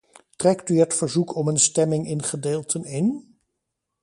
Trekt u het verzoek om een stemming in gedeelten in?